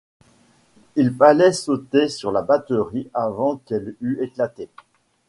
Il fallait sauter sur la batterie avant qu’elle eût éclaté.